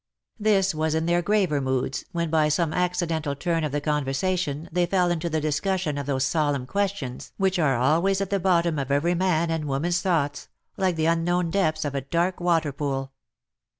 This was in their graver moods, when by some accidental turn of the conversation they fell into the discussion of those solemn questions which are always at the bottom of every man and woman's thoughts, like the unknown depths of a dark water pool.